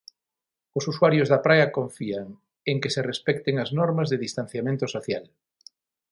Os usuarios da praia confían en que se respecten as normas de distanciamento social.